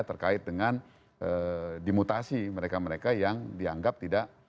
terkait dengan dimutasi mereka mereka yang dianggap tidak